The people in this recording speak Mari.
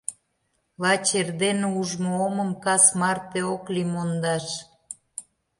Лач эрдене ужмо омым кас марте ок лий мондаш –